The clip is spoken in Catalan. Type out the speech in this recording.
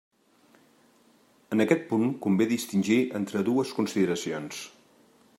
En aquest punt convé distingir entre dues consideracions.